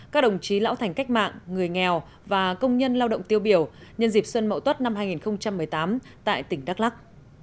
các đồng chí lão thành cách mạng người nghèo và công nhân lao động tiêu biểu nhân dịp xuân mậu tuất năm hai nghìn một mươi tám tại tỉnh đắk lắc